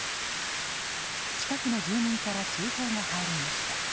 近くの住民から通報が入りました。